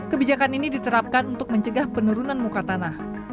kebijakan ini diterapkan untuk mencegah penurunan muka tanah